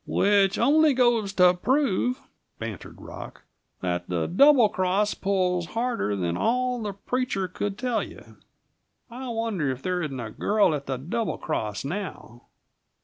"Which only goes to prove," bantered Rock, "that the Double Cross pulls harder than all the preacher could tell you. I wonder if there isn't a girl at the Double Cross, now!"